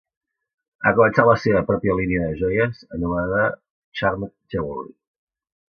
Ha començat la seva pròpia línia de joies anomenada "Charmed Jewelry"